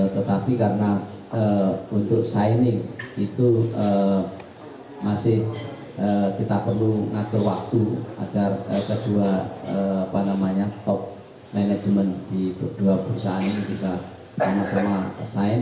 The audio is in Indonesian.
tetapi karena untuk signing itu masih kita perlu ngatur waktu agar kedua top management di dua perusahaan ini bisa sama sama sign